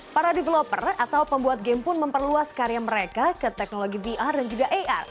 para developer atau pembuat game pun memperluas karya mereka ke teknologi vr dan juga ar